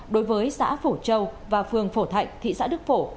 đối với xã phổ châu và phường phổ thạnh thị xã đức phổ